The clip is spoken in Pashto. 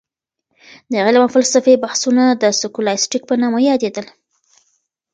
د علم او فلسفې بحثونه د سکولاستيک په نامه يادېدل.